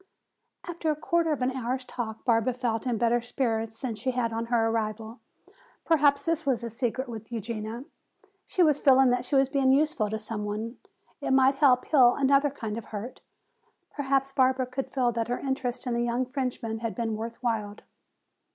After a quarter of an hour's talk Barbara felt in better spirits than she had on her arrival. Perhaps this was the secret with Eugenia. She was feeling that she was being useful to some one. It might help heal another kind of hurt. Certainly Barbara could feel that her interest in the young Frenchman had been worth while.